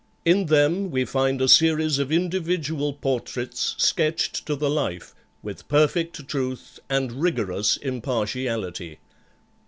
In them we find a series of individual portraits sketched to the life, with perfect truth and rigorous impartiality.